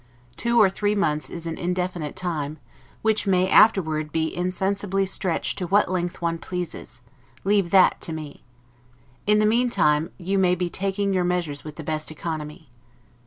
Two or three months is an indefinite time, which may afterward insensibly stretched to what length one pleases; leave that to me. In the meantime, you may be taking your measures with the best economy.